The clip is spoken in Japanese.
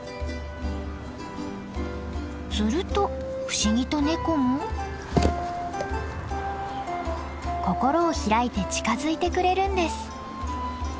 すると不思議とネコも心を開いて近づいてくれるんです。